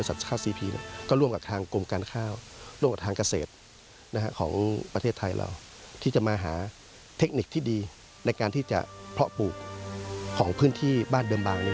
ที่จะมาหาเทคนิคที่ดีในการที่จะเพาะปลูกของพื้นที่บ้านเดิมบางนี้